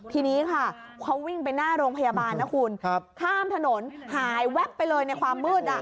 ทีนี้ค่ะเขาวิ่งไปหน้าโรงพยาบาลนะคุณข้ามถนนหายแวบไปเลยในความมืด